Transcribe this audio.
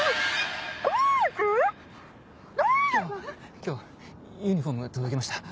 今日今日ユニホームが届きました。